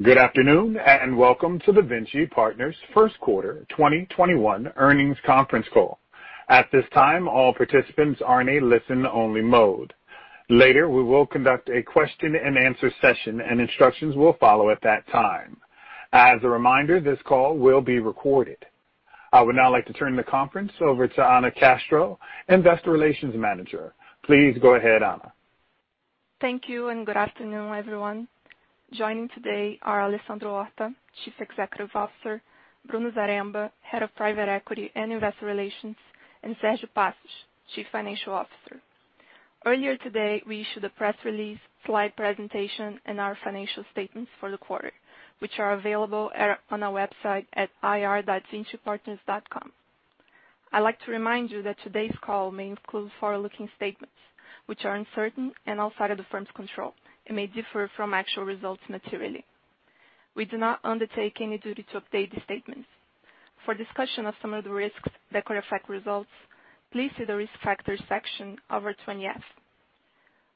Good afternoon, and welcome to the Vinci Partners first quarter 2021 earnings conference call. At this time, all participants are in a listen-only mode. Later, we will conduct a question-and-answer session, and instructions will follow at that time. As a reminder, this call will be recorded. I would now like to turn the conference over to Anna Castro, Investor Relations Manager. Please go ahead, Anna. Thank you, and good afternoon, everyone. Joining today are Alessandro Horta, Chief Executive Officer, Bruno Zaremba, Head of Private Equity and Investor Relations, and Sergio Passos, Chief Financial Officer. Earlier today, we issued a press release, slide presentation, and our financial statements for the quarter, which are available on our website at ir.vincipartners.com. I'd like to remind you that today's call may include forward-looking statements, which are uncertain and outside of the firm's control and may differ from actual results materially. We do not undertake any duty to update these statements. For discussion of some of the risks that could affect results, please see the Risk Factors section of our 20F.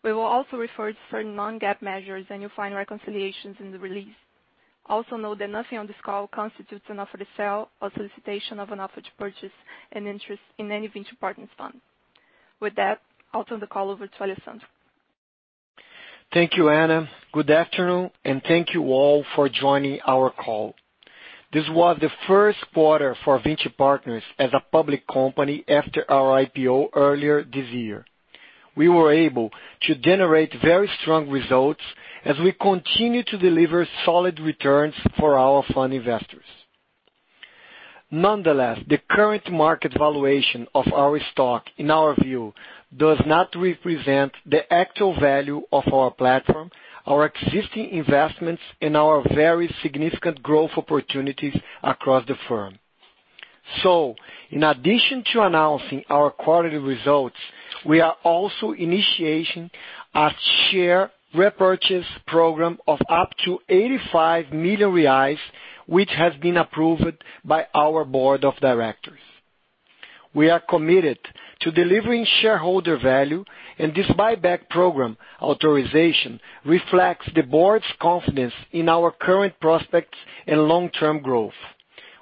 We will also refer to certain non-GAAP measures, and you'll find reconciliations in the release. Note that nothing on this call constitutes an offer to sell or solicitation of an offer to purchase an interest in any Vinci Partners fund. With that, I'll turn the call over to Alessandro. Thank you, Anna. Good afternoon. Thank you all for joining our call. This was the first quarter for Vinci Partners as a public company after our IPO earlier this year. We were able to generate very strong results as we continue to deliver solid returns for our fund investors. Nonetheless, the current market valuation of our stock, in our view, does not represent the actual value of our platform, our existing investments, and our very significant growth opportunities across the firm. In addition to announcing our quarterly results, we are also initiating a share repurchase program of up to 85 million reais, which has been approved by our board of directors. We are committed to delivering shareholder value. This buyback program authorization reflects the board's confidence in our current prospects and long-term growth.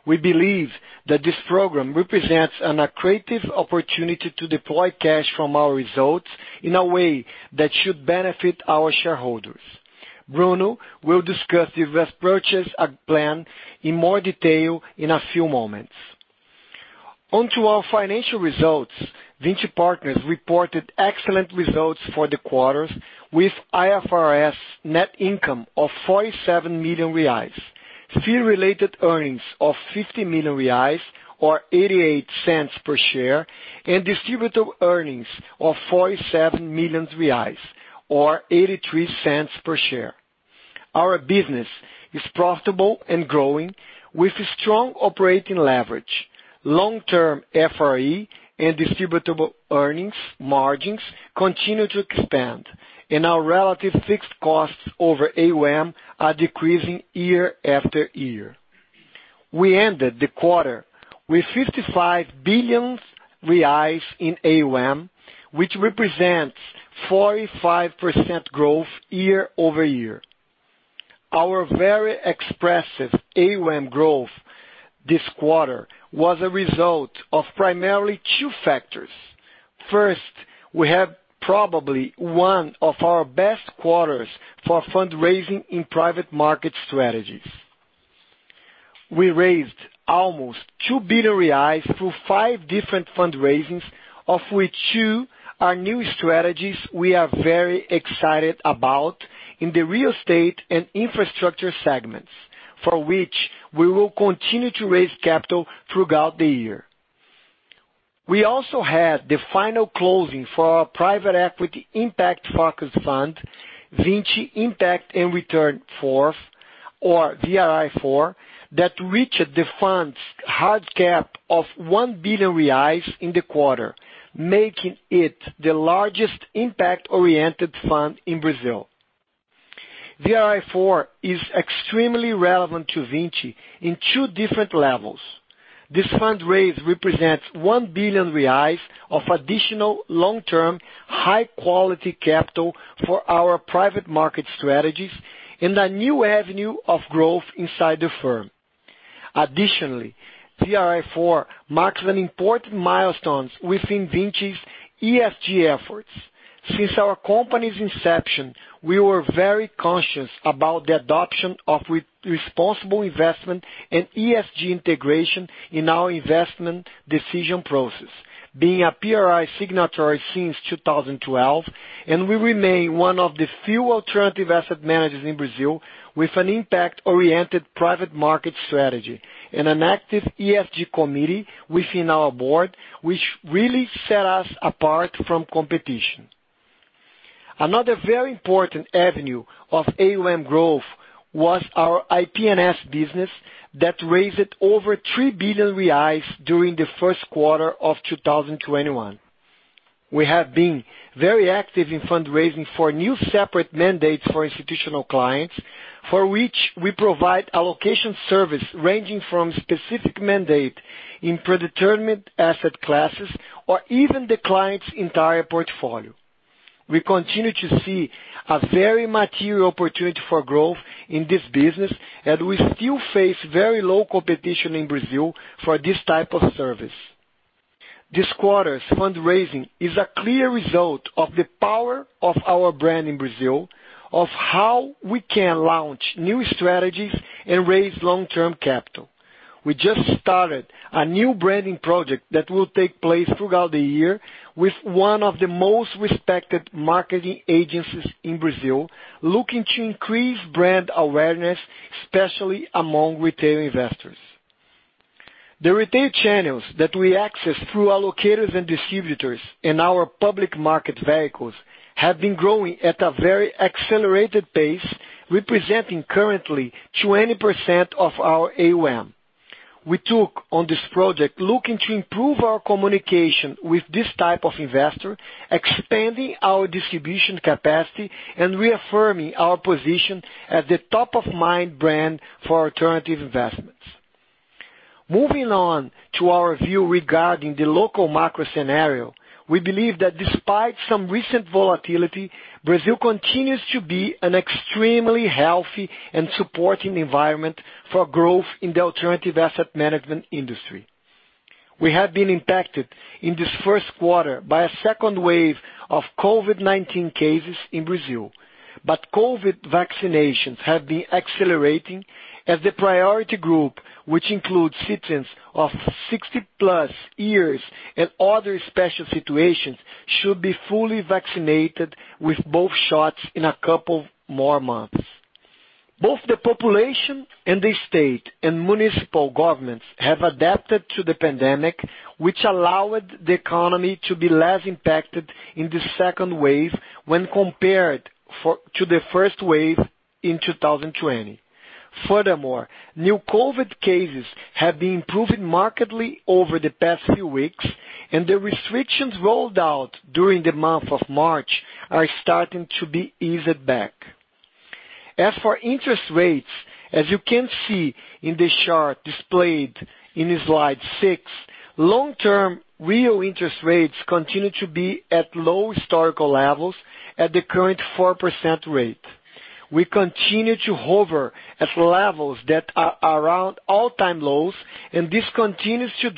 We believe that this program represents an accretive opportunity to deploy cash from our results in a way that should benefit our shareholders. Bruno will discuss the invest purchase plan in more detail in a few moments. On to our financial results, Vinci Partners reported excellent results for the quarter with IFRS net income of 47 million reais, fee-related earnings of 50 million reais, or 0.88 per share, and distributable earnings of 47 million reais or 0.83 per share. Our business is profitable and growing with a strong operating leverage. Long-term FRE and distributable earnings margins continue to expand and our relative fixed costs over AUM are decreasing year after year. We ended the quarter with 55 billion reais in AUM, which represents 45% growth year-over-year. Our very expressive AUM growth this quarter was a result of primarily two factors. First, we have probably one of our best quarters for fundraising in private market strategies. We raised almost 2 billion reais through five different fundraisings, of which two are new strategies we are very excited about in the real estate and infrastructure segments, for which we will continue to raise capital throughout the year. We also had the final closing for our private equity impact focused fund, Vinci Impact and Return IV or VIR IV that reached the fund's hard cap of 1 billion reais in the quarter, making it the largest impact-oriented fund in Brazil. VIR IV is extremely relevant to Vinci in two different levels. This fund raise represents 1 billion reais of additional long-term, high-quality capital for our private market strategies and a new avenue of growth inside the firm. Additionally, VIR IV marks an important milestone within Vinci's ESG efforts. Since our company's inception, we were very conscious about the adoption of responsible investment and ESG integration in our investment decision process. Being a PRI signatory since 2012, and we remain one of the few alternative asset managers in Brazil with an impact-oriented private market strategy and an active ESG committee within our board, which really set us apart from competition. Another very important avenue of AUM growth was our IP&S business that raised over 3 billion reais during the first quarter of 2021. We have been very active in fundraising for new separate mandates for institutional clients, for which we provide allocation service ranging from specific mandate in predetermined asset classes or even the client's entire portfolio. We continue to see a very material opportunity for growth in this business and we still face very low competition in Brazil for this type of service. This quarter's fundraising is a clear result of the power of our brand in Brazil, of how we can launch new strategies and raise long-term capital. We just started a new branding project that will take place throughout the year with one of the most respected marketing agencies in Brazil, looking to increase brand awareness, especially among retail investors. The retail channels that we access through our allocators and distributors and our public market vehicles have been growing at a very accelerated pace, representing currently 20% of our AUM. We took on this project looking to improve our communication with this type of investor, expanding our distribution capacity and reaffirming our position as the top-of-mind brand for alternative investments. Moving on to our view regarding the local macro scenario, we believe that despite some recent volatility, Brazil continues to be an extremely healthy and supporting environment for growth in the alternative asset management industry. COVID vaccinations have been accelerating as the priority group, which includes citizens of 60+ years and other special situations, should be fully vaccinated with both shots in a couple more months. Both the population and the state and municipal governments have adapted to the pandemic, which allowed the economy to be less impacted in the second wave when compared to the first wave in 2020. Furthermore, new COVID cases have been improving markedly over the past few weeks, and the restrictions rolled out during the month of March are starting to be eased back. As for interest rates, as you can see in the chart displayed in slide six, long-term real interest rates continue to be at low historical levels at the current 4% rate. This continues to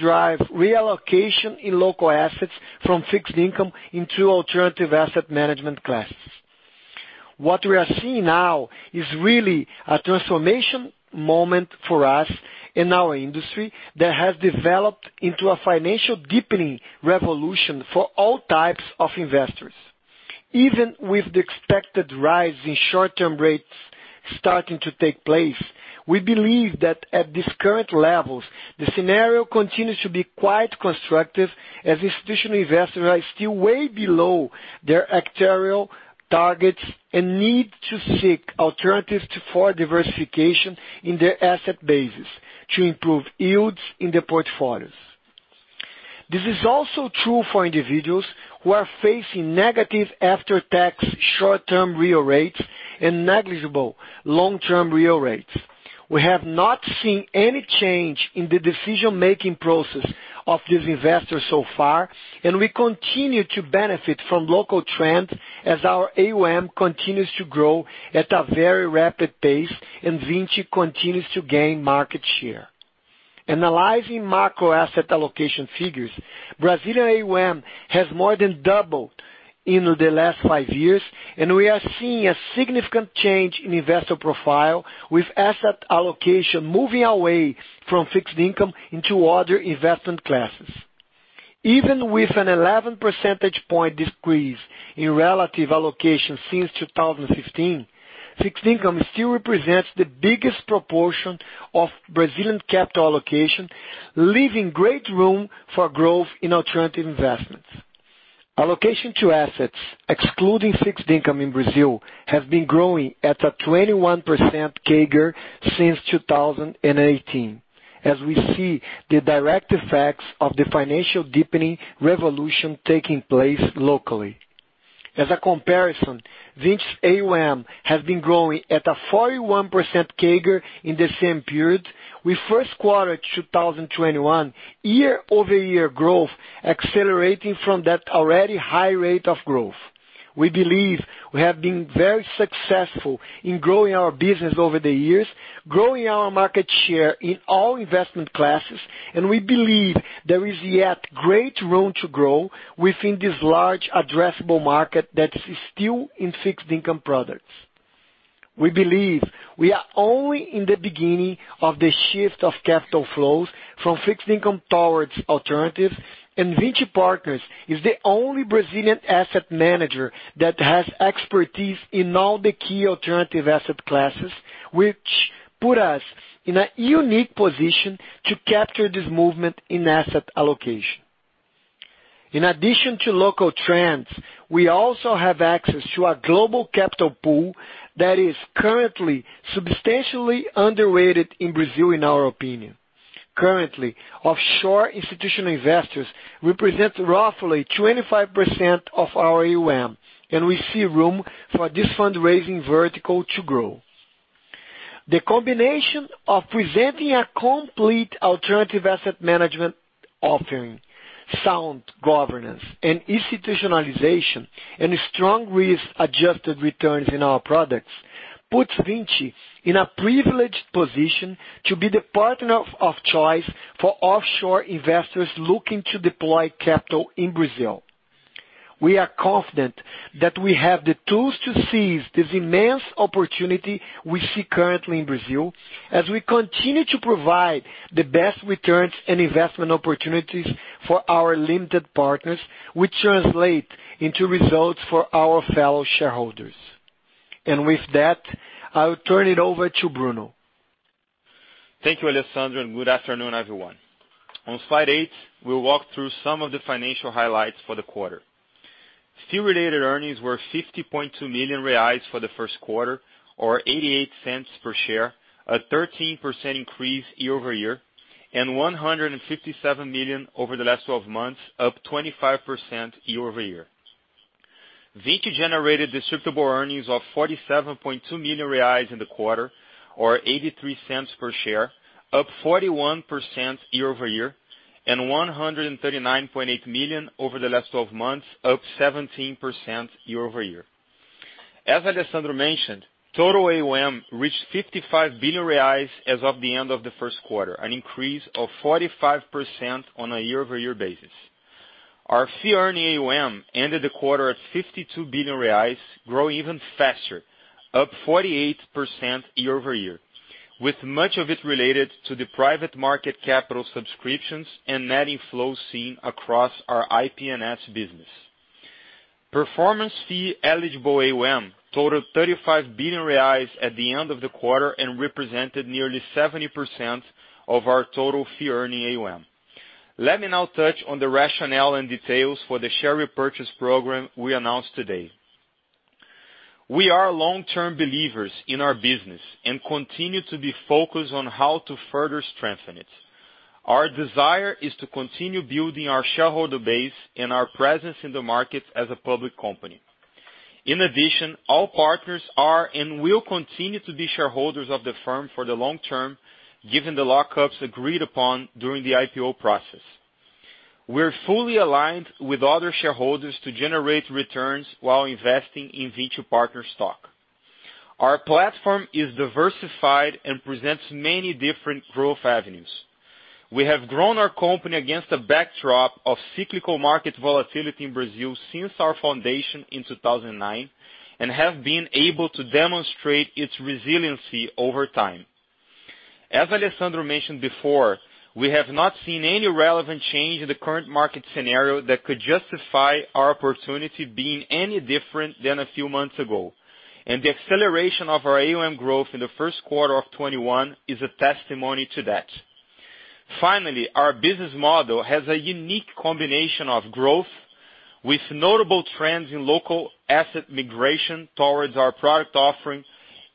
drive reallocation in local assets from fixed income into alternative asset management classes. What we are seeing now is really a transformation moment for us in our industry that has developed into a financial deepening revolution for all types of investors. Even with the expected rise of short-term rates starting to take place, we believe that at these current levels, the scenario continues to be quite constructive as institutional investors are still way below their actuarial targets and need to seek alternatives for diversification in their asset bases to improve yields in their portfolios. This is also true for individuals who are facing negative after-tax short-term real rates and negligible long-term real rates. We have not seen any change in the decision-making process of these investors so far, and we continue to benefit from local trends as our AUM continues to grow at a very rapid pace and Vinci continues to gain market share. Analyzing macro asset allocation figures, Brazilian AUM has more than doubled in the last five years, and we are seeing a significant change in investor profile, with asset allocation moving away from fixed income into other investment classes. Even with an 11 percentage point decrease in relative allocation since 2015, fixed income still represents the biggest proportion of Brazilian capital allocation, leaving great room for growth in alternative investments. Allocation to assets excluding fixed income in Brazil has been growing at a 21% CAGR since 2018, as we see the direct effects of the financial deepening revolution taking place locally. As a comparison, Vinci AUM has been growing at a 41% CAGR in the same period, with first quarter 2021 year-over-year growth accelerating from that already high rate of growth. We believe we have been very successful in growing our business over the years, growing our market share in all investment classes, and we believe there is yet great room to grow within this large addressable market that is still in fixed income products. We believe we are only in the beginning of the shift of capital flows from fixed income towards alternatives. Vinci Partners is the only Brazilian asset manager that has expertise in all the key alternative asset classes, which put us in a unique position to capture this movement in asset allocation. In addition to local trends, we also have access to a global capital pool that is currently substantially underrated in Brazil, in our opinion. Currently, offshore institutional investors represent roughly 25% of our AUM. We see room for this fundraising vertical to grow. The combination of presenting a complete alternative asset management offering, sound governance and institutionalization, and strong risk-adjusted returns in our products puts Vinci in a privileged position to be the partner of choice for offshore investors looking to deploy capital in Brazil. We are confident that we have the tools to seize this immense opportunity we see currently in Brazil as we continue to provide the best returns and investment opportunities for our limited partners, which translate into results for our fellow shareholders. With that, I'll turn it over to Bruno. Thank you, Alessandro, and good afternoon, everyone. On slide eight, we'll walk through some of the financial highlights for the quarter. Fee-related earnings were 50.2 million reais for the first quarter or 0.88 per share, a 13% increase year-over-year, and 157 million over the last 12 months, up 25% year-over-year. Vinci generated distributable earnings of 47.2 million reais in the quarter or 0.83 per share, up 41% year-over-year, and 139.8 million over the last 12 months, up 17% year-over-year. As Alessandro mentioned, total AUM reached 55 billion reais as of the end of the first quarter, an increase of 45% on a year-over-year basis. Our fee-earning AUM ended the quarter at 52 billion reais, growing even faster, up 48% year-over-year, with much of it related to the private market capital subscriptions and net inflows seen across our IP&S business. Performance fee eligible AUM totaled 35 billion reais at the end of the quarter and represented nearly 70% of our total fee-earning AUM. Let me now touch on the rationale and details for the share repurchase program we announced today. We are long-term believers in our business and continue to be focused on how to further strengthen it. Our desire is to continue building our shareholder base and our presence in the market as a public company. In addition, all partners are and will continue to be shareholders of the firm for the long term, given the lockups agreed upon during the IPO process. We are fully aligned with other shareholders to generate returns while investing in Vinci Partners stock. Our platform is diversified and presents many different growth avenues. We have grown our company against a backdrop of cyclical market volatility in Brazil since our foundation in 2009 and have been able to demonstrate its resiliency over time. As Alessandro mentioned before, we have not seen any relevant change in the current market scenario that could justify our opportunity being any different than a few months ago, and the acceleration of our AUM growth in the first quarter of 2021 is a testimony to that. Finally, our business model has a unique combination of growth with notable trends in local asset migration towards our product offering,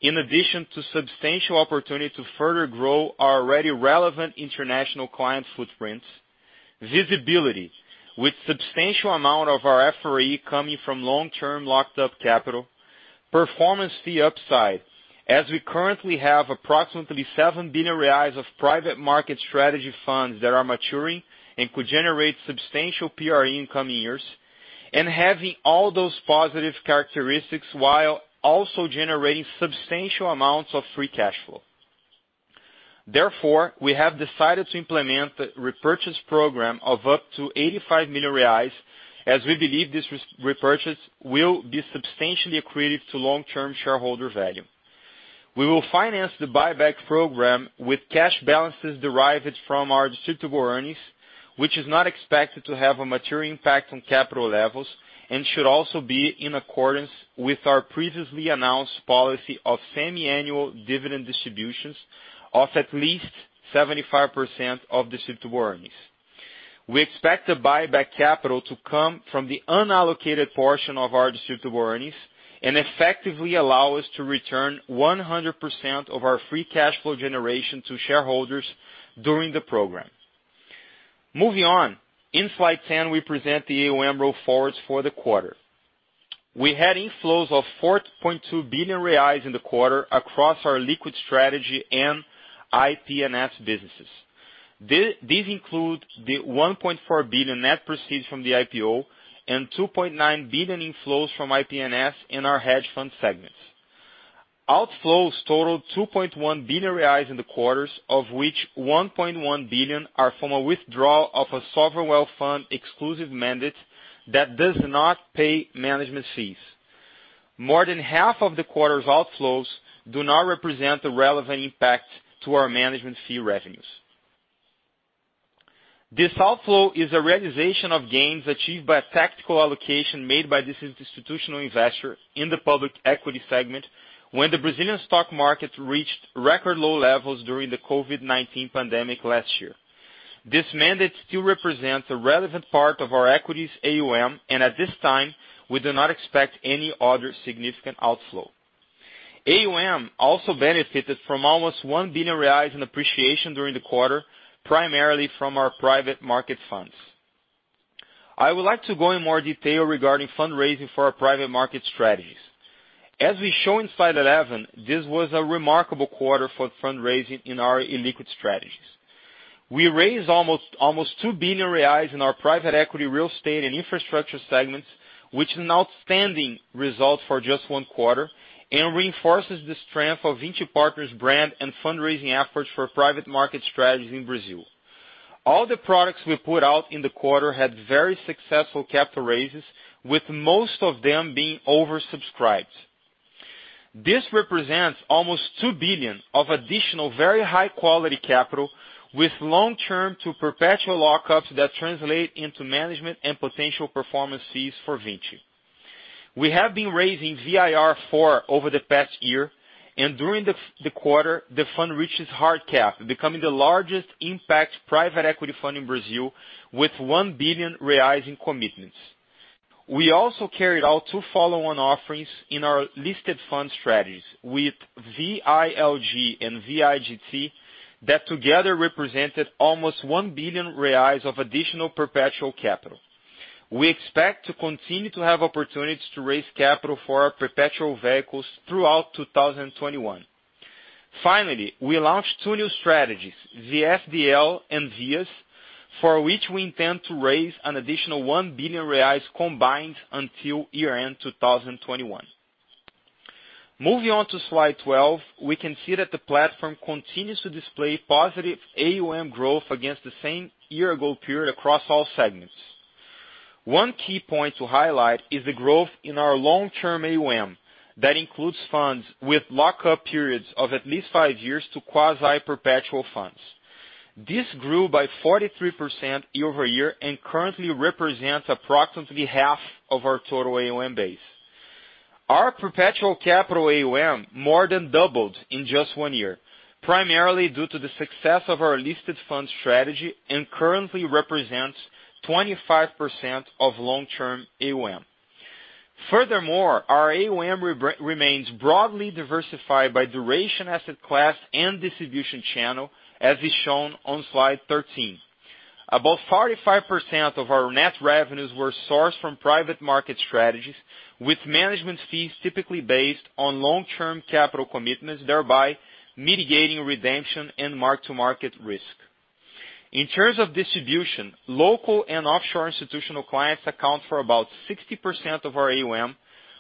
in addition to substantial opportunity to further grow our already relevant international client footprints. Visibility with substantial amount of our FRE coming from long-term locked up capital. Performance fee upside as we currently have approximately 7 billion reais of private market strategy funds that are maturing and could generate substantial PRE in coming years. Having all those positive characteristics while also generating substantial amounts of free cash flow. Therefore, we have decided to implement a repurchase program of up to 85 million reais as we believe this repurchase will be substantially accretive to long-term shareholder value. We will finance the buyback program with cash balances derived from our distributable earnings, which is not expected to have a material impact on capital levels and should also be in accordance with our previously announced policy of semiannual dividend distributions of at least 75% of distributable earnings. We expect the buyback capital to come from the unallocated portion of our distributable earnings and effectively allow us to return 100% of our free cash flow generation to shareholders during the program. Moving on. In slide 10, we present the AUM roll forwards for the quarter. We had inflows of 4.2 billion reais in the quarter across our liquid strategy and IP&S businesses. These include the 1.4 billion net proceed from the IPO and 2.9 billion inflows from IP&S in our hedge fund segments. Outflows totaled 2.1 billion reais in the quarters of which 1.1 billion are from a withdrawal of a sovereign wealth fund exclusive mandate that does not pay management fees. More than half of the quarter's outflows do not represent a relevant impact to our management fee revenues. This outflow is a realization of gains achieved by a tactical allocation made by this institutional investor in the public equity segment when the Brazilian stock market reached record low levels during the COVID-19 pandemic last year. This mandate still represents a relevant part of our equities AUM, and at this time, we do not expect any other significant outflow. AUM also benefited from almost 1 billion reais in appreciation during the quarter, primarily from our private market funds. I would like to go in more detail regarding fundraising for our private market strategies. As we show in slide 11, this was a remarkable quarter for fundraising in our illiquid strategies. We raised almost 2 billion reais in our private equity real estate and infrastructure segments, which is an outstanding result for just one quarter and reinforces the strength of Vinci Partners' brand and fundraising efforts for private market strategies in Brazil. All the products we put out in the quarter had very successful capital raises, with most of them being oversubscribed. This represents almost 2 billion of additional very high-quality capital with long-term to perpetual lockups that translate into management and potential performance fees for Vinci. We have been raising VIR IV over the past year, and during the quarter, the fund reached its hard cap, becoming the largest impact private equity fund in Brazil with 1 billion reais in commitments. We also carried out two follow-on offerings in our listed fund strategies with VILG and VIGT that together represented almost 1 billion reais of additional perpetual capital. We expect to continue to have opportunities to raise capital for our perpetual vehicles throughout 2021. Finally, we launched two new strategies, VFDL and VIAS, for which we intend to raise an additional 1 billion reais combined until year-end 2021. Moving on to slide 12, we can see that the platform continues to display positive AUM growth against the same year-ago period across all segments. One key point to highlight is the growth in our long-term AUM. That includes funds with lockup periods of at least five years to quasi-perpetual funds. This grew by 43% year-over-year and currently represents approximately half of our total AUM base. Our perpetual capital AUM more than doubled in just one year, primarily due to the success of our listed fund strategy and currently represents 25% of long-term AUM. Furthermore, our AUM remains broadly diversified by duration asset class and distribution channel, as is shown on slide 13. About 45% of our net revenues were sourced from private market strategies with management fees typically based on long-term capital commitments, thereby mitigating redemption and mark-to-market risk. In terms of distribution, local and offshore institutional clients account for about 60% of our AUM,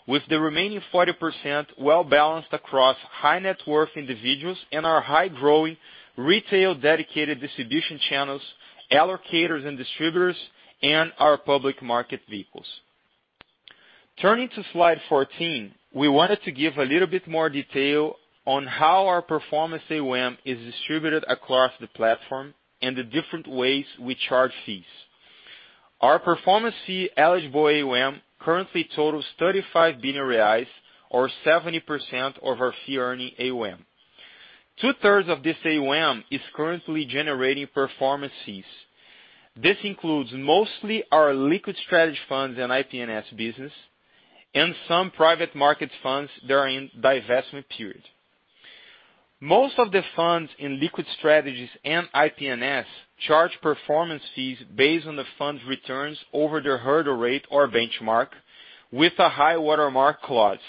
with the remaining 40% well-balanced across high-net-worth individuals and our high-growing retail-dedicated distribution channels, allocators and distributors, and our public market vehicles. Turning to slide 14, we wanted to give a little bit more detail on how our performance AUM is distributed across the platform and the different ways we charge fees. Our performance fee eligible AUM currently totals 35 billion reais or 70% of our fee earning AUM. Two-thirds of this AUM is currently generating performance fees. This includes mostly our liquid strategy funds and IP&S business and some private market funds that are in divestment period. Most of the funds in liquid strategies and IP&S charge performance fees based on the fund's returns over their hurdle rate or benchmark with a high-watermark clause.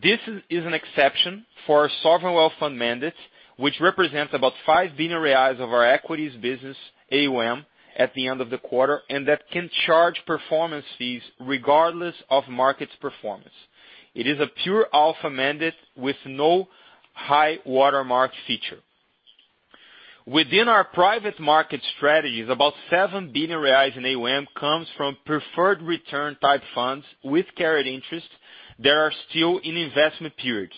This is an exception for sovereign wealth fund mandates, which represents about 5 billion reais of our equities business AUM at the end of the quarter, and that can charge performance fees regardless of market performance. It is a pure alpha mandate with no high-watermark feature. Within our private market strategies, about 7 billion reais in AUM comes from preferred return-type funds with carried interest that are still in investment period.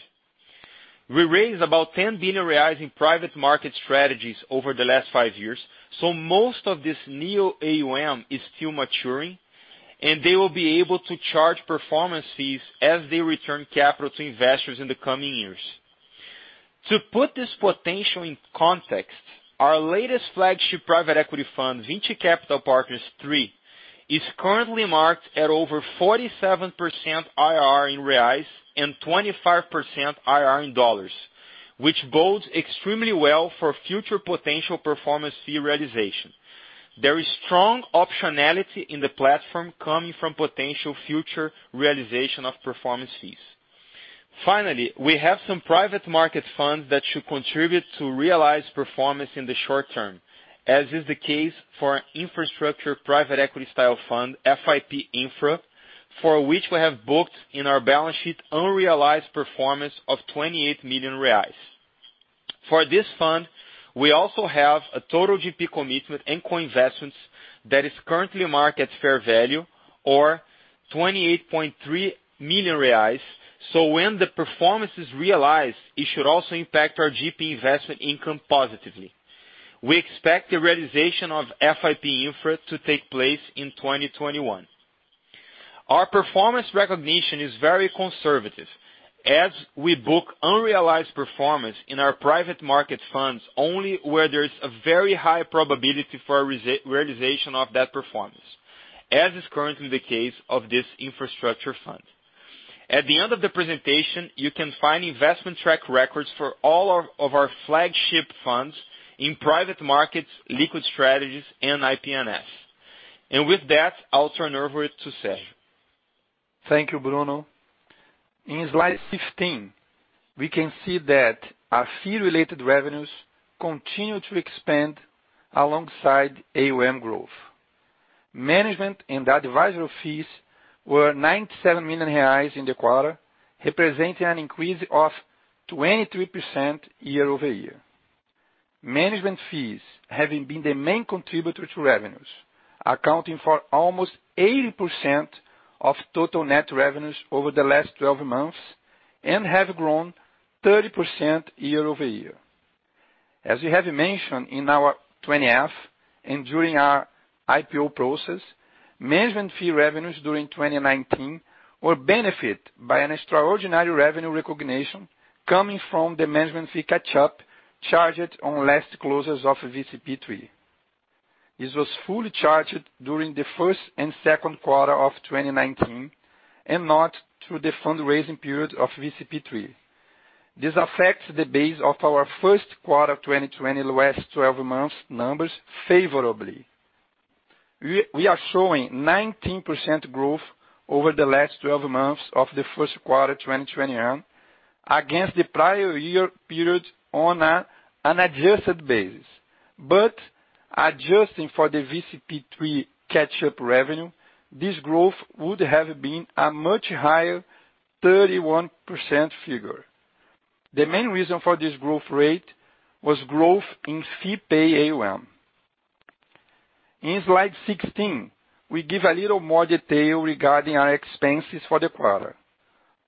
We raised about 10 billion reais in private market strategies over the last five years, so most of this new AUM is still maturing, and they will be able to charge performance fees as they return capital to investors in the coming years. To put this potential in context, our latest flagship private equity fund, Vinci Capital Partners III, is currently marked at over 47% IRR in BRL and 25% IRR in USD, which bodes extremely well for future potential performance fee realization. There is strong optionality in the platform coming from potential future realization of performance fees. Finally, we have some private market funds that should contribute to realized performance in the short term, as is the case for our infrastructure private equity style fund, FIP Infra, for which we have booked in our balance sheet unrealized performance of 28 million reais. For this fund, we also have a total GP commitment and co-investments that is currently marked at fair value or 28.3 million reais. When the performance is realized, it should also impact our GP investment income positively. We expect the realization of FIP Infra to take place in 2021. Our performance recognition is very conservative as we book unrealized performance in our private market funds only where there's a very high probability for realization of that performance, as is currently the case of this infrastructure fund. At the end of the presentation, you can find investment track records for all of our flagship funds in private markets, liquid strategies, and IP&S. With that, I'll turn over to Sergio. Thank you, Bruno. In slide 15, we can see that our fee-related revenues continue to expand alongside AUM growth. Management and advisory fees were 97 million reais in the quarter, representing an increase of 23% year-over-year. Management fees have been the main contributor to revenues, accounting for almost 80% of total net revenues over the last 12 months and have grown 30% year-over-year. As we have mentioned in our Form 20-F and during our IPO process, management fee revenues during 2019 were benefited by an extraordinary revenue recognition coming from the management fee catch-up charged on last closes of VCP III. This was fully charged during the first and second quarter of 2019 and not through the fundraising period of VCP III. This affects the base of our first quarter 2020 last 12 months numbers favorably. We are showing 19% growth over the last 12 months of the first quarter 2021 against the prior year period on an adjusted basis. Adjusting for the VCP III catch-up revenue, this growth would have been a much higher 31% figure. The main reason for this growth rate was growth in fee-paying AUM. In slide 16, we give a little more detail regarding our expenses for the quarter.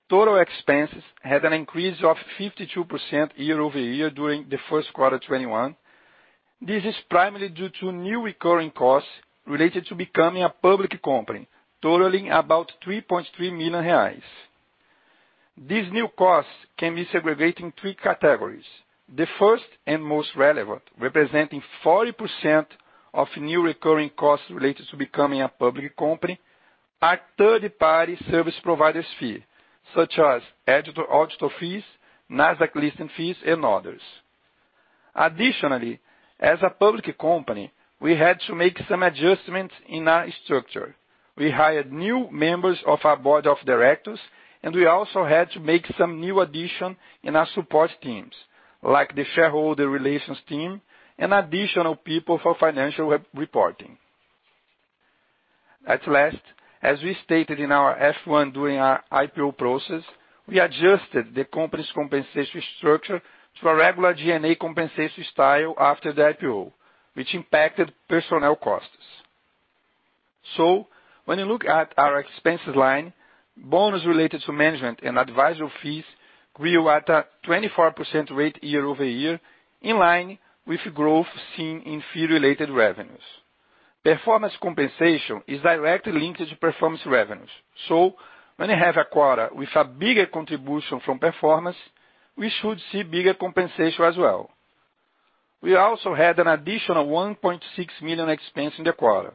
Total expenses had an increase of 52% year-over-year during the first quarter 2021. This is primarily due to new recurring costs related to becoming a public company, totaling about 3.3 million reais. These new costs can be segregated in three categories. The first and most relevant, representing 40% of new recurring costs related to becoming a public company, are third-party service providers fee, such as auditor audit fees, Nasdaq listing fees, and others. Additionally, as a public company, we had to make some adjustments in our structure. We hired new members of our board of directors, we also had to make some new additions in our support teams, like the shareholder relations team and additional people for financial reporting. At last, as we stated in our F-1 during our IPO process, we adjusted the company's compensation structure to a regular G&A compensation style after the IPO, which impacted personnel costs. When you look at our expenses line, bonus related to management and advisory fees grew at a 24% rate year-over-year in line with growth seen in fee related revenues. Performance compensation is directly linked to performance revenues. When you have a quarter with a bigger contribution from performance, we should see bigger compensation as well. We also had an additional 1.6 million expense in the quarter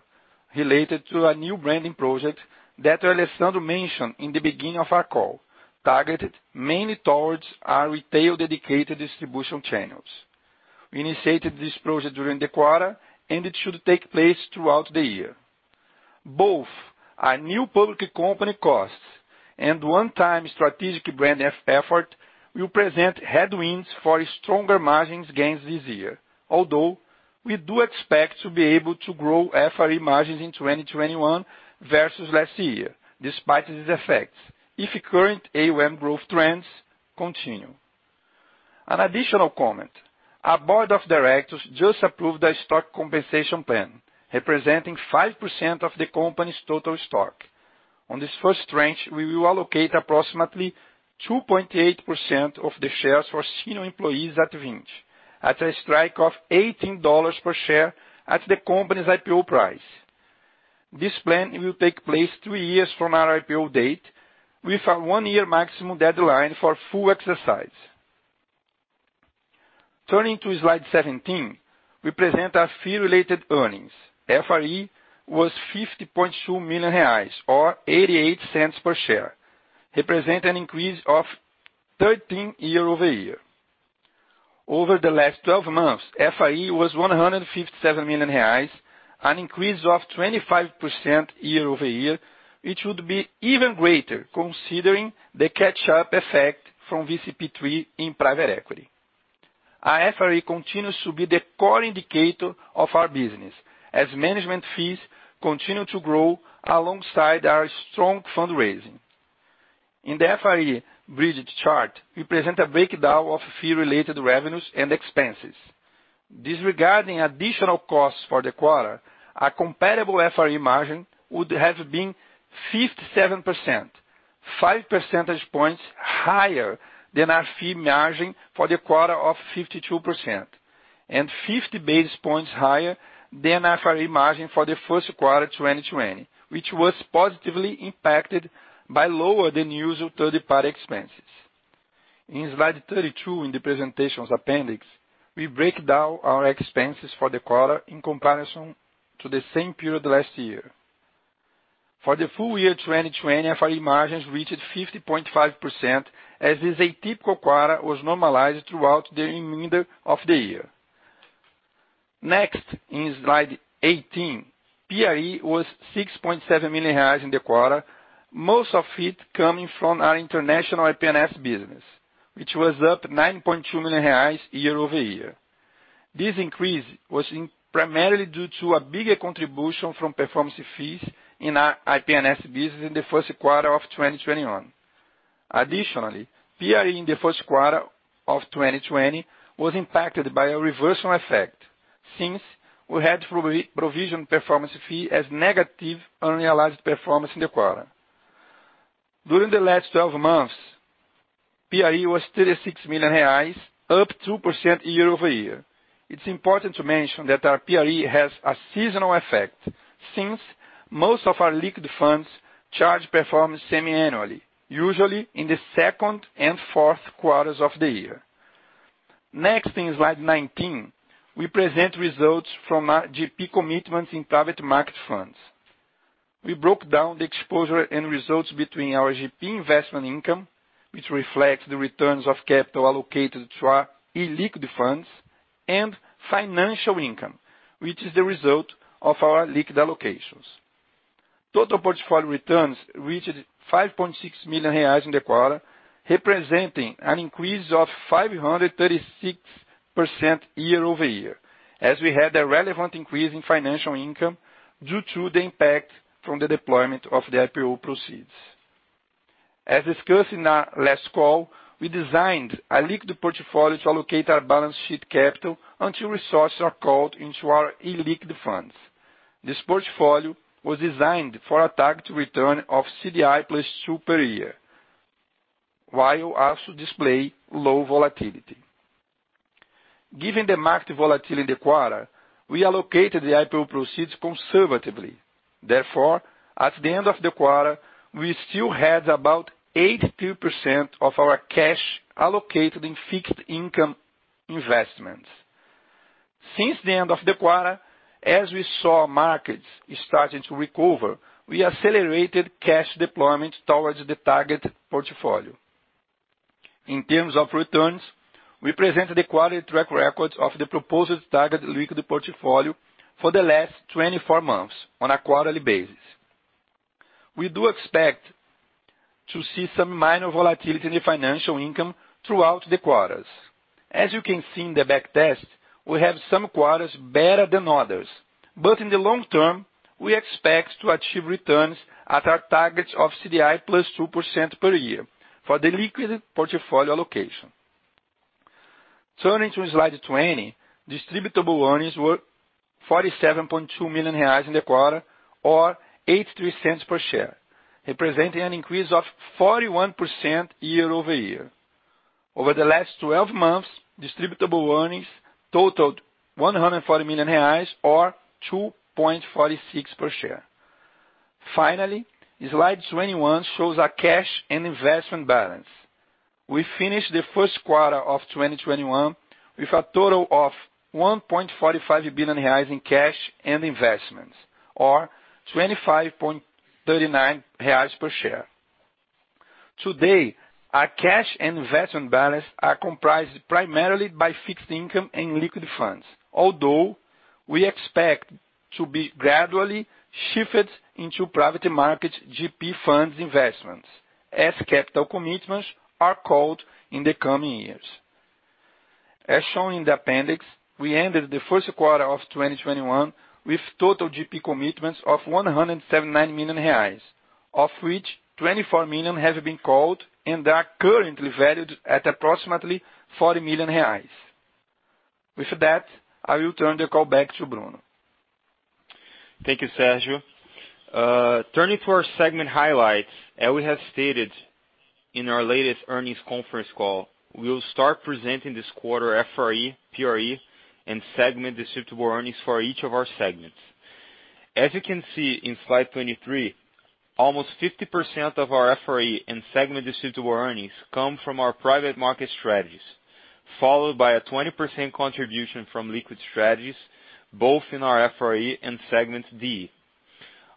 related to a new branding project that Alessandro mentioned in the beginning of our call, targeted mainly towards our retail dedicated distribution channels. We initiated this project during the quarter, and it should take place throughout the year. Both our new public company costs and one-time strategic branding effort will present headwinds for stronger margins gains this year. Although we do expect to be able to grow FRE margins in 2021 versus last year, despite these effects, if current AUM growth trends continue. An additional comment, our board of directors just approved a stock compensation plan representing 5% of the company's total stock. On this first tranche, we will allocate approximately 2.8% of the shares for senior employees at Vinci at a strike of $18 per share at the company's IPO price. This plan will take place two years from our IPO date with a one-year maximum deadline for full exercise. Turning to slide 17, we present our Fee Related Earnings. FRE was 50.2 million reais, or 0.88 per share, represent an increase of 13% year-over-year. Over the last 12 months, FRE was 157 million reais, an increase of 25% year-over-year, which would be even greater considering the catch-up effect from VCP III in private equity. Our FRE continues to be the core indicator of our business as management fees continue to grow alongside our strong fundraising. In the FRE bridge chart, we present a breakdown of Fee Related Revenues and Expenses. Disregarding additional costs for the quarter, our comparable FRE margin would have been 57%, five percentage points higher than our fee margin for the quarter of 52%, and 50 basis points higher than our margin for the first quarter of 2020, which was positively impacted by lower than usual third-party expenses. In slide 32 in the presentation appendix, we break down our expenses for the quarter in comparison to the same period last year. For the full year 2020, our margins reached 50.5%, as this atypical quarter was normalized throughout the remainder of the year. In slide 18, PRE was 6.7 million reais in the quarter, most of it coming from our international IP&S business, which was up 9.2 million reais year-over-year. This increase was primarily due to a bigger contribution from performance fees in our IP&S business in the first quarter of 2021. Additionally, PRE in the first quarter of 2020 was impacted by a reversal effect since we had to provision performance fee as negative unrealized performance in the quarter. During the last 12 months, PRE was 36 million reais, up 2% year-over-year. It is important to mention that our PRE has a seasonal effect since most of our liquid funds charge performance semi-annually, usually in the second and fourth quarters of the year. Next in slide 19, we present results from our GP commitment in private market funds. We broke down the exposure and results between our GP investment income, which reflects the returns of capital allocated to our illiquid funds, and financial income, which is the result of our liquid allocations. Total portfolio returns reached 5.6 million reais in the quarter, representing an increase of 536% year-over-year as we had a relevant increase in financial income due to the impact from the deployment of the IPO proceeds. As discussed in our last call, we designed a liquid portfolio to allocate our balance sheet capital until resources are called into our illiquid funds. This portfolio was designed for a target return of CDI plus two per year, while also displaying low volatility. Given the market volatility in the quarter, we allocated the IPO proceeds conservatively. Therefore, at the end of the quarter, we still had about 82% of our cash allocated in fixed income investments. Since the end of the quarter, as we saw markets starting to recover, we accelerated cash deployment towards the target portfolio. In terms of returns, we present the quarterly track record of the proposed target liquid portfolio for the last 24 months on a quarterly basis. We do expect to see some minor volatility in financial income throughout the quarters. As you can see in the back test, we have some quarters better than others, but in the long term, we expect to achieve returns at our target of CDI +2% per year for the liquid portfolio allocation. Turning to slide 20, distributable earnings were 47.2 million reais in the quarter or 0.83 per share, representing an increase of 41% year-over-year. Over the last 12 months, distributable earnings totaled 140 million reais or 2.46 per share. Finally, slide 21 shows our cash and investment balance. We finished the first quarter of 2021 with a total of 1.45 billion reais in cash and investments or 25.39 reais per share. Today, our cash and investment balance are comprised primarily by fixed income and liquid funds, although we expect to be gradually shifted into private market GP fund investments as capital commitments are called in the coming years. As shown in the appendix, we ended the first quarter of 2021 with total GP commitments of 179 million reais, of which 24 million have been called and are currently valued at approximately 40 million reais. With that, I will turn the call back to Bruno. Thank you, Sergio. Turning to our segment highlights, as we have stated in our latest earnings conference call, we'll start presenting this quarter FRE, PRE, and segment distributable earnings for each of our segments. As you can see in slide 23, almost 50% of our FRE and segment distributable earnings come from our private market strategies, followed by a 20% contribution from liquid strategies, both in our FRE and Segment DE.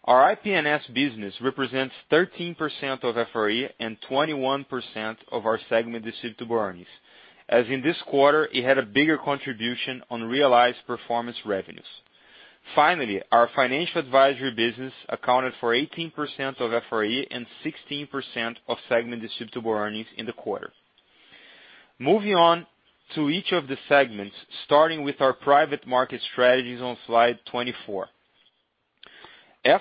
Our IP&S business represents 13% of FRE and 21% of our segment distributable earnings, as in this quarter it had a bigger contribution on realized performance revenues. Finally, our financial advisory business accounted for 18% of FRE and 16% of segment distributable earnings in the quarter. Moving on to each of the segments, starting with our private market strategies on slide 24.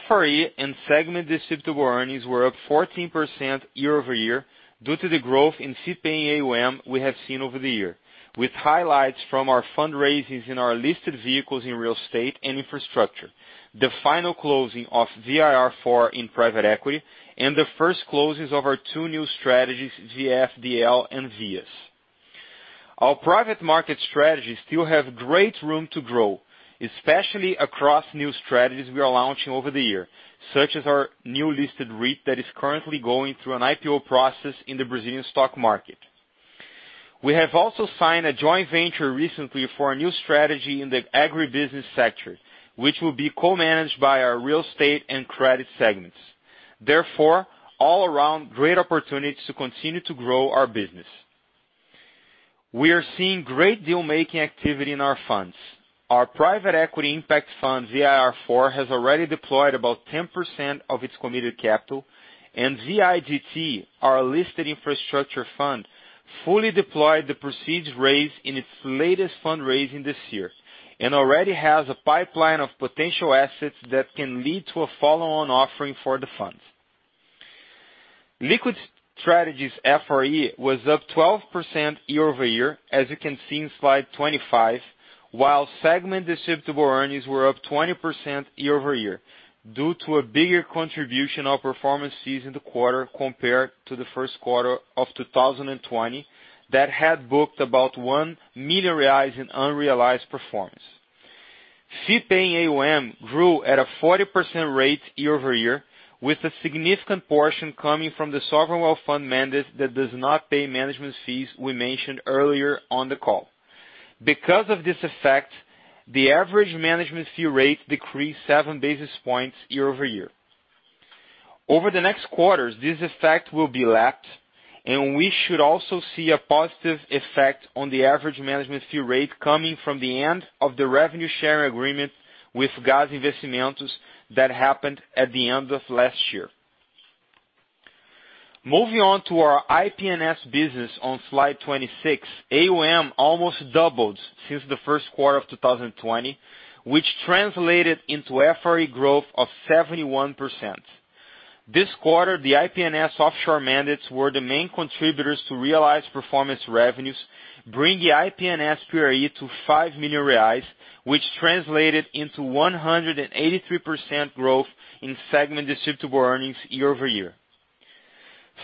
FRE and Segment Distributable Earnings were up 14% year-over-year due to the growth in fee-paying AUM we have seen over the year, with highlights from our fundraisings in our listed vehicles in real estate and infrastructure, the final closing of VIR IV in private equity, and the first closes of our two new strategies, VFDL and VIAS. Our private market strategies still have great room to grow, especially across new strategies we are launching over the year, such as our new listed REIT that is currently going through an IPO process in the Brazilian stock market. We have also signed a joint venture recently for a new strategy in the agribusiness sector, which will be co-managed by our real estate and credit segments. All around great opportunities to continue to grow our business. We are seeing great deal-making activity in our funds. Our private equity impact fund, VIR IV, has already deployed about 10% of its committed capital, and VIGT, our listed infrastructure fund, fully deployed the proceeds raised in its latest fundraising this year and already has a pipeline of potential assets that can lead to a follow-on offering for the funds. Liquid strategies FRE was up 12% year-over-year, as you can see in slide 25, while Segment Distributable Earnings were up 20% year-over-year due to a bigger contribution of performance fees in the quarter compared to the first quarter of 2020 that had booked about 1 million reais in unrealized performance. Fee-paying AUM grew at a 40% rate year-over-year, with a significant portion coming from the sovereign wealth fund mandate that does not pay management fees we mentioned earlier on the call. Because of this effect, the average management fee rate decreased seven basis points year-over-year. Over the next quarters, this effect will be lapsed, and we should also see a positive effect on the average management fee rate coming from the end of the revenue share agreement with Gávea Investimentos that happened at the end of last year. Moving on to our IP&S business on slide 26, AUM almost doubled since the first quarter of 2020, which translated into FRE growth of 71%. This quarter, the IP&S offshore mandates were the main contributors to realized performance revenues, bringing IP&S FRE to 5 million reais, which translated into 183% growth in segment distributable earnings year-over-year.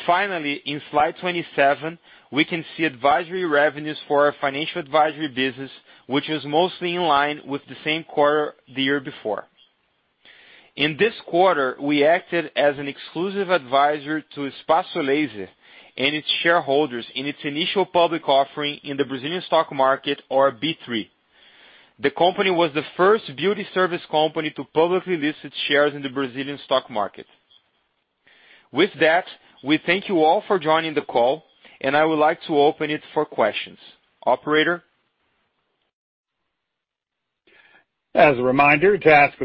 Finally, in slide 27, we can see advisory revenues for our financial advisory business, which is mostly in line with the same quarter the year before. In this quarter, we acted as an exclusive advisor to Espaçolaser and its shareholders in its initial public offering in the Brazilian stock market or B3. The company was the first beauty service company to publicly list its shares in the Brazilian stock market. With that, we thank you all for joining the call, I would like to open it for questions. Operator? Our first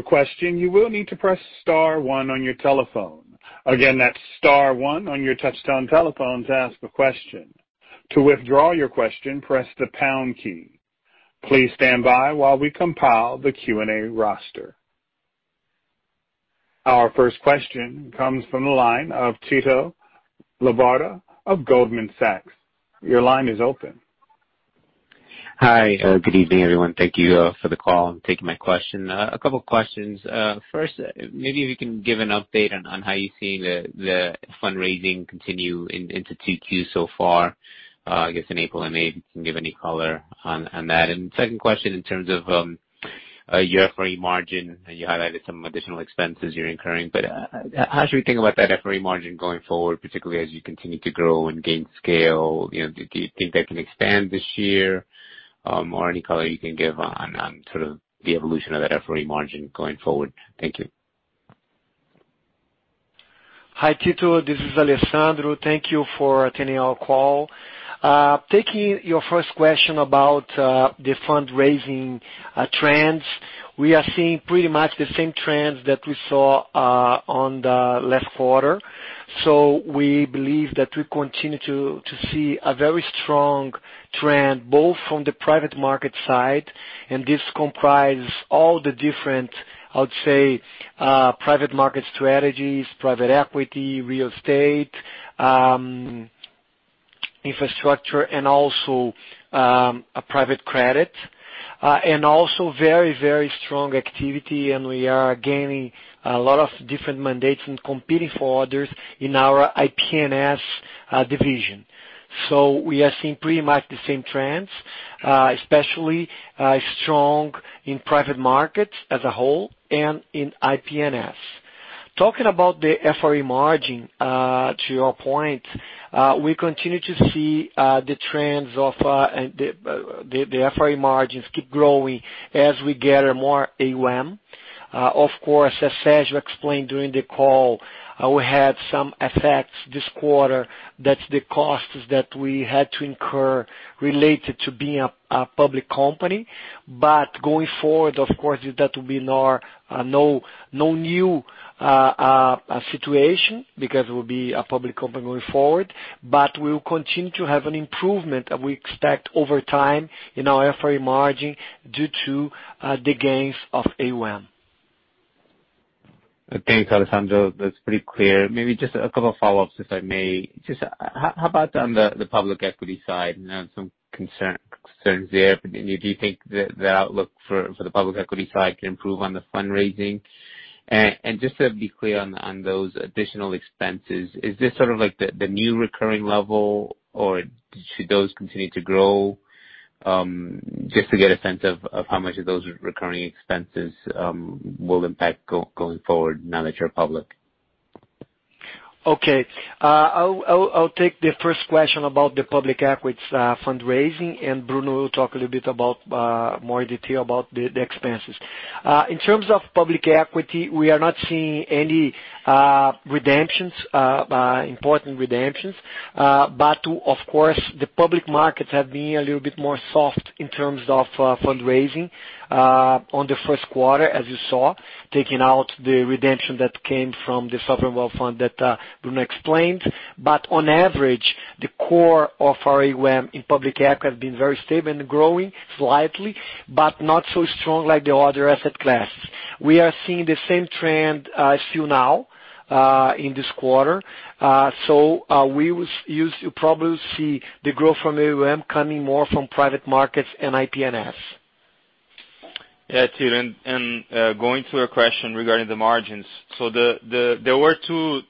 question comes from the line of Tito Labarta of Goldman Sachs. Your line is open. Hi. Good evening, everyone. Thank you for the call and taking my question. A couple questions. First, maybe we can give an update on how you see the fundraising continue into Q2 so far, I guess in April and May, if you can give any color on that. Second question in terms of your FRE margin and you highlighted some additional expenses you're incurring. As we think about that FRE margin going forward, particularly as you continue to grow and gain scale, do you think that can expand this year? Any color you can give on sort of the evolution of the FRE margin going forward? Thank you. Hi, Tito. This is Alessandro. Thank you for attending our call. Taking your first question about the fundraising trends, we are seeing pretty much the same trends that we saw on the last quarter. We believe that we continue to see a very strong trend both from the private market side, and this comprises all the different, I would say, private market strategies, private equity, real estate, infrastructure, and also private credit. Also very strong activity and we are gaining a lot of different mandates and competing for others in our IP&S division. We are seeing pretty much the same trends, especially strong in private markets as a whole and in IP&S. Talking about the FRE margin, to your point, we continue to see the trends of the FRE margins keep growing as we gather more AUM. Of course, as Sergio explained during the call, we had some effects this quarter that the costs that we had to incur related to being a public company. Going forward, of course, that will be no new situation because we'll be a public company going forward. We'll continue to have an improvement, and we expect over time in our FRE margin due to the gains of AUM. Thanks, Alessandro. That's pretty clear. Maybe just a couple of follow-ups, if I may. Just how about on the public equity side and some concerns there? Do you think the outlook for the public equity side can improve on the fundraising? Just to be clear on those additional expenses, is this the new recurring level, or should those continue to grow? Just to get a sense of how much of those recurring expenses will impact going forward now that you're public. Okay. I'll take the first question about the public equity fundraising. Bruno will talk a little bit about more detail about the expenses. In terms of public equity, we are not seeing any important redemptions. Of course, the public markets have been a little bit softer in terms of fundraising in the first quarter, as you saw, taking out the redemption that came from the sovereign wealth fund that Bruno explained. On average, the core of our AUM in public equity has been very stable and growing slightly, but not so strong like the other asset classes. We are seeing the same trend still now in this quarter. We will probably see the growth from AUM coming more from private markets and IP&S. Yeah, Tito, going to a question regarding the margins. There were two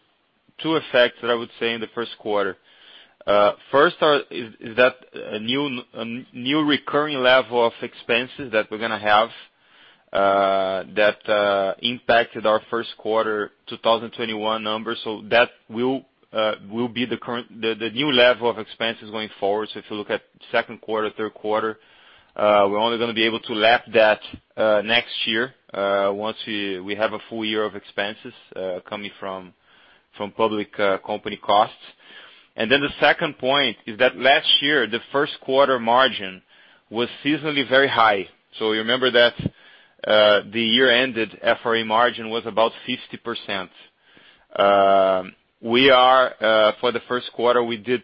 effects that I would say in the first quarter. First is that a new recurring level of expenses that we're going to have that impacted our first quarter 2021 numbers. That will be the new level of expenses going forward. If you look at second quarter, third quarter, we're only going to be able to lap that next year once we have a full year of expenses coming from public company costs. The second point is that last year, the first quarter margin was seasonally very high. You remember that the year ended, FRE margin was about 50%. For the first quarter, we did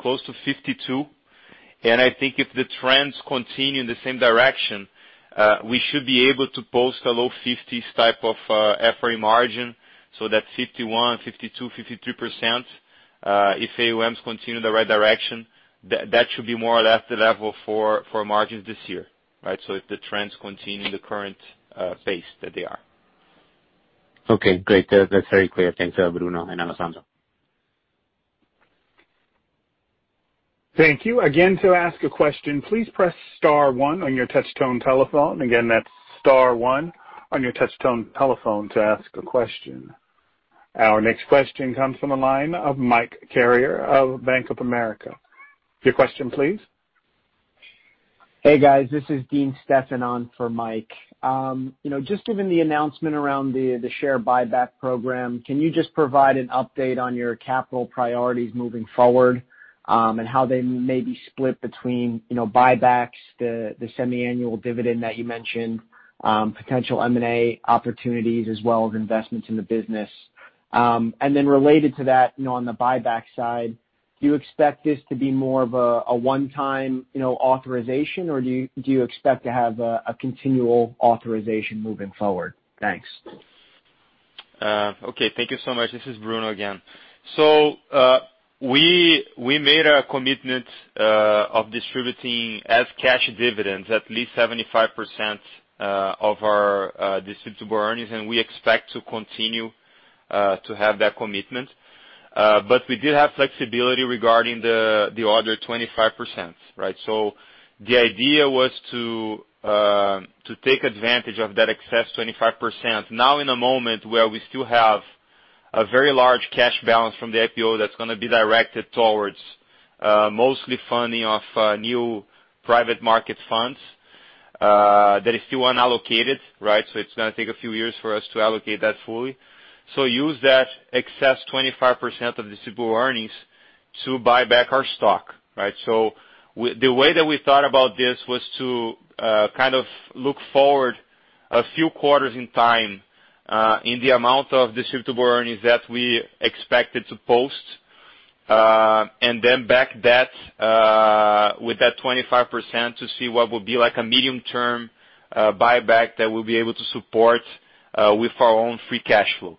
close to 52%. I think if the trends continue in the same direction, we should be able to post a low 50s type of FRE margin. That's 51%, 52%, 53%. If AUMs continue in the right direction, that should be more or less the level for margins this year. If the trends continue in the current pace that they are. Okay, great. That's very clear. Thanks to Bruno and Alessandro. Thank you. Our next question comes from the line of Mike Carrier of Bank of America. Your question, please. Hey, guys, this is Dean Stephan on for Mike. Just given the announcement around the share buyback program, can you just provide an update on your capital priorities moving forward and how they may be split between buybacks, the semi-annual dividend that you mentioned, potential M&A opportunities, as well as investments in the business? Related to that, on the buyback side, do you expect this to be more of a one-time authorization, or do you expect to have a continual authorization moving forward? Thanks. Okay. Thank you so much. This is Bruno again. We made a commitment of distributing as cash dividends at least 75% of our distributable earnings, we expect to continue to have that commitment. We did have flexibility regarding the other 25%. The idea was to take advantage of that excess 25% now in a moment where we still have a very large cash balance from the IPO that's going to be directed towards mostly funding of new private market funds that are still unallocated. It's going to take a few years for us to allocate that fully. Use that excess 25% of distributable earnings to buy back our stock. The way that we thought about this was to kind of look forward a few quarters in time in the amount of distributable earnings that we expected to post and then back that with that 25% to see what would be like a medium-term buyback that we'll be able to support with our own free cash flow.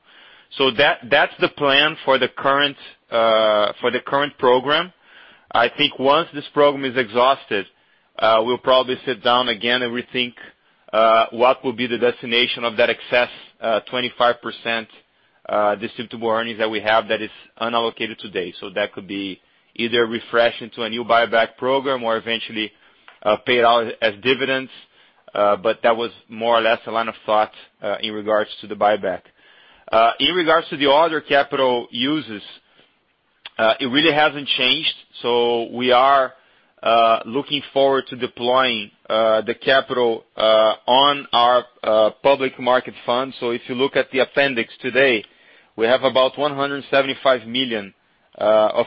That's the plan for the current program. I think once this program is exhausted, we'll probably sit down again and rethink what will be the destination of that excess 25% distributable earnings that we have that is unallocated today. That could be either refreshed into a new buyback program or eventually paid out as dividends. That was more or less the line of thought in regards to the buyback. In regards to the other capital uses, it really hasn't changed. We are looking forward to deploying the capital on our public market fund. If you look at the appendix today, we have about 180 million of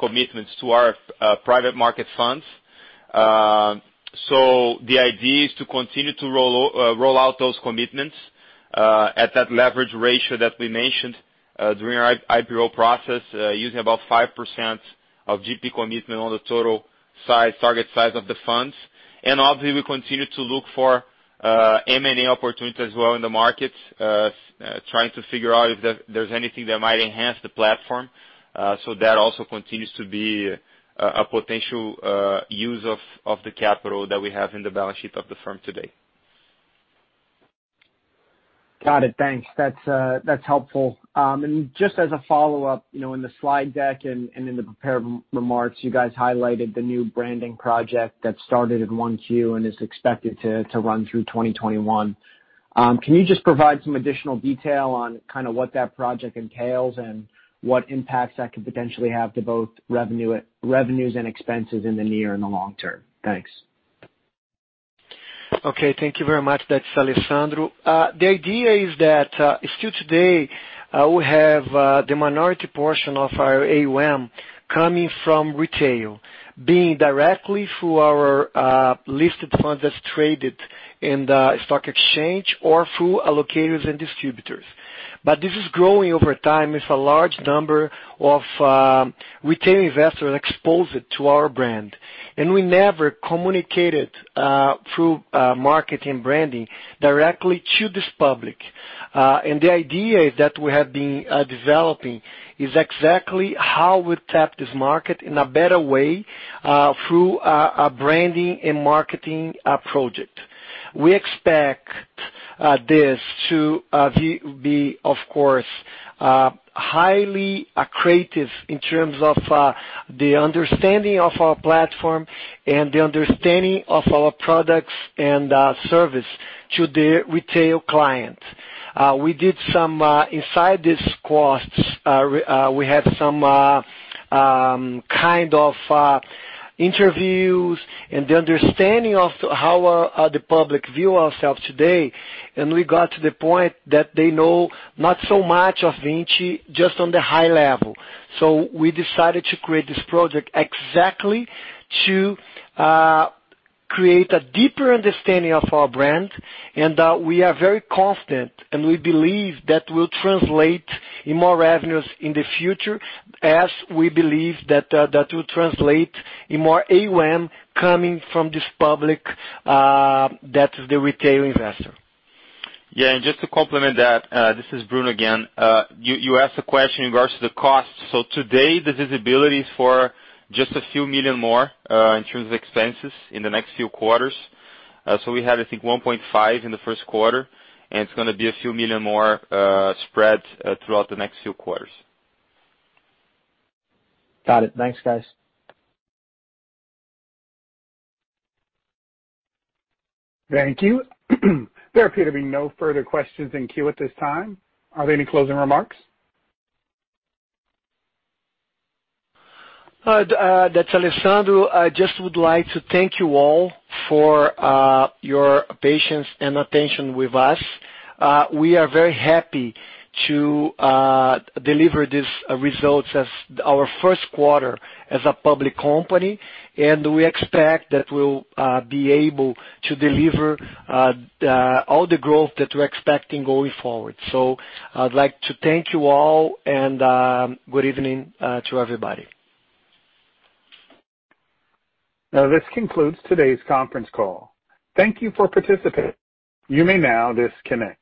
commitments to our private market funds. The idea is to continue to roll out those commitments at that leverage ratio that we mentioned during our IPO process, using about 5% of GP commitment on the total target size of the funds. Obviously, we continue to look for M&A opportunities as well in the market, trying to figure out if there's anything that might enhance the platform. That also continues to be a potential use of the capital that we have in the balance sheet of the firm today. Got it. Thanks. That's helpful. Just as a follow-up, in the slide deck and in the prepared remarks, you guys highlighted the new branding project that started in Q1 and is expected to run through 2021. Can you just provide some additional detail on kind of what that project entails and what impacts that could potentially have to both revenues and expenses in the near and the long term? Thanks. Okay, thank you very much. That's Alessandro. The idea is that still today, we have the minority portion of our AUM coming from retail, being directly through our listed funds that's traded in the stock exchange or through allocators and distributors. This is growing over time. It's a large number of retail investors exposed to our brand, and we never communicated through marketing branding directly to this public. The idea is that we have been developing is exactly how we tap this market in a better way, through a branding and marketing project. We expect this to be, of course, highly creative in terms of the understanding of our platform and the understanding of our products and service to the retail client. We did some inside these costs. We had some kind of interviews and the understanding of how the public view ourselves today. We got to the point that they know not so much of Vinci, just on the high level. We decided to create this project exactly to create a deeper understanding of our brand. We are very confident. We believe that will translate in more revenues in the future, as we believe that will translate in more AUM coming from this public, that is the retail investor. Yeah. Just to complement that, this is Bruno again. You asked a question in regards to the cost. Today, the visibility is for just a few million more, in terms of expenses in the next few quarters. We had, I think, 1.5 million in the first quarter, and it's going to be a few million more spread throughout the next few quarters. Got it. Thanks, guys. Thank you. There appear to be no further questions in queue at this time. Are there any closing remarks? That's Alessandro. I just would like to thank you all for your patience and attention with us. We are very happy to deliver these results as our first quarter as a public company. We expect that we'll be able to deliver all the growth that we're expecting going forward. I'd like to thank you all and good evening to everybody. This concludes today's conference call. Thank you for participating. You may now disconnect.